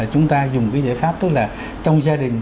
chúng ta dùng cái giải pháp tức là trong gia đình